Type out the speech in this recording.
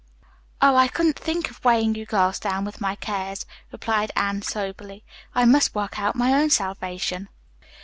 "Oh, I couldn't think of weighing you girls down with my cares," replied Anne soberly. "I must work out my own salvation."